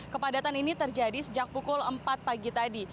kepadatan ini terjadi sejak pukul empat pagi tadi